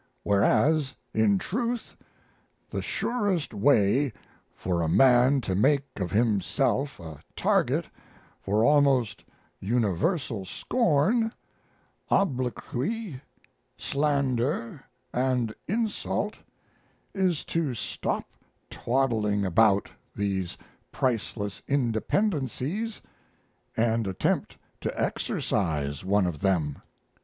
Whereas, in truth, the surest way for a man to make of himself a target for almost universal scorn, obloquy, slander, and insult is to stop twaddling about these priceless independencies and attempt to exercise one of them.